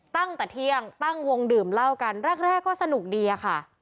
ตั้งแต่เที่ยงตั้งวงดื่มเหล้ากันแรกก็สนุกดีอะค่ะ